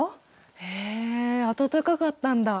へえ暖かかったんだ。